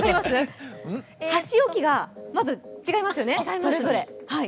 箸置きがまず違いますよね、それぞれ。